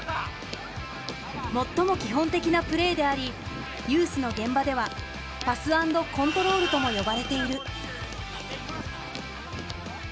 最も基本的なプレーでありユースの現場では「パス＆コントロール」とも呼ばれている。